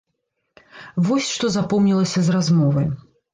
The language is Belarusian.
Вось што запомнілася з размовы.